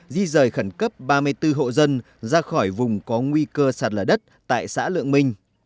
di rời khẩn cấp ba mươi bốn hộ dân ra khỏi vùng có nguy cơ sạt lở đất tại xã lượng minh